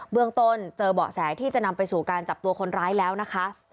เมืองต้นเจอเบาะแสที่จะนำไปสู่การจับตัวคนร้ายแล้วนะคะ